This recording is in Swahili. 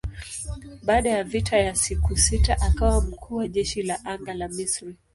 Baada ya vita ya siku sita akawa mkuu wa jeshi la anga la Misri.